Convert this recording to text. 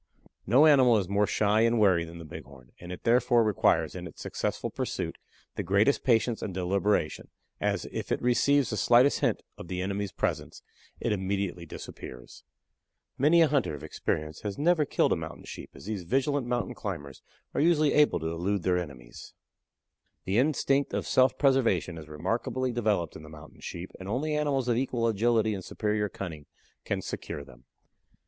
No animal is more shy and wary than the Bighorn, and it therefore requires in its successful pursuit the greatest patience and deliberation, as, if it receives the slightest hint of the enemy's presence, it immediately disappears. Many a hunter of experience has never killed a Mountain Sheep, as these vigilant mountain climbers are usually able to elude their enemies. [Illustration: From col. Mr. F. Kaempfer. MOUNTAIN SHEEP. 1/10 Life size. Copyright by Nature Study Pub. Co., 1898, Chicago.] The instinct of self preservation is remarkably developed in the Mountain Sheep, and only animals of equal agility and superior cunning can secure them.